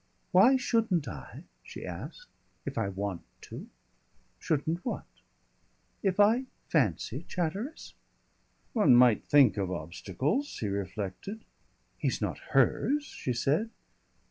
"Why shouldn't I," she asked, "if I want to?" "Shouldn't what?" "If I fancy Chatteris." "One might think of obstacles," he reflected. "He's not hers," she said.